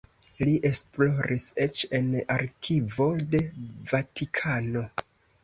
Li esploris eĉ en arkivo de Vatikano.